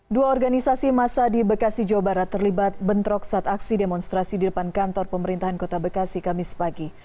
dua organisasi masa di bekasi jawa barat terlibat bentrok saat aksi demonstrasi di depan kantor pemerintahan kota bekasi kamis pagi